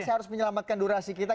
seharus menyelamatkan durasi kita